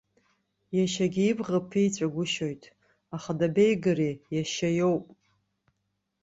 Иашьагьы ибӷа ԥиҵәагәышьоит, аха дабеигари, иашьа иоуп.